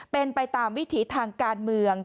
เป็นไปตามวิถีทางการเมือง